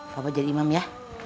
bapak jadi imam ya